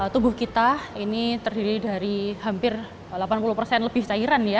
tubuh kita ini terdiri dari hampir delapan puluh persen lebih cairan ya